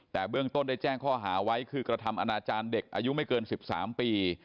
แต่เบื้องต้นได้แจ้งข้อหาไว้คือกระทำอนาจารย์เด็กอายุไม่เกิน๑๓ปี